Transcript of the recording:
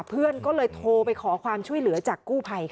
เพื่อนก็เลยโทรไปขอความช่วยเหลือจากกู้ภัยค่ะ